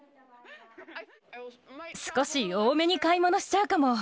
少し多めに買い物しちゃうかも。